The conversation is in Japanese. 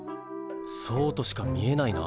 そうとしか見えないな。